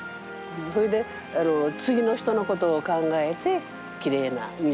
それで次の人のことを考えてきれいな水を送る。